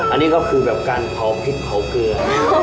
อันนี้ก็คือแบบการเผาพริกเผาเกลือ